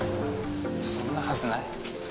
そんなはずない。